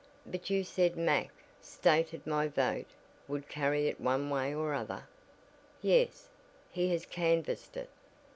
"But you said Mac. stated my vote would carry it one way or other?" "Yes, he has canvassed it."